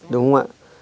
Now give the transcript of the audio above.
đúng không ạ